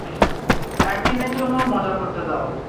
একদিনের জন্য মজা করতে দাও।